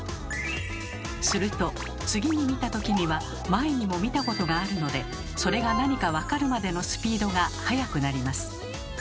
すると次に見た時には前にも見たことがあるのでそれが何かわかるまでのスピードが速くなります。